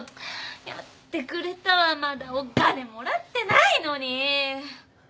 やってくれたわまだお金もらってないのに！